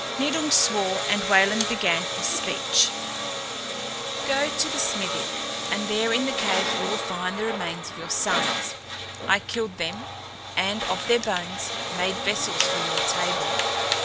Nidung swore and Wayland began his speech: "Go to my smithy, and there in the cave you will find the remains of your sons. I killed them, and of their bones made vessels for your table.